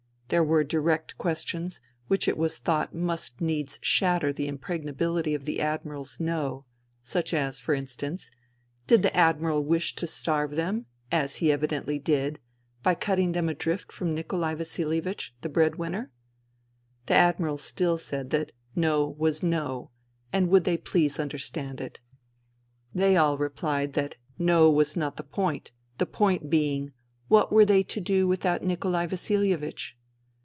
There were direct questions which it was thought must needs shatter the impregnability of the Admiral's INTERVENING IN SIBERIA 147 No, such as, for instance : Did the Admiral wish to starve them, as he evidently did, by cutting them adrift from Nikolai Vasilievich, the bread winner ? The Admiral still said that No was No, and would they please understand it ? They all replied that No was not the point, the point being : What were they to do without Nikolai Vasilievich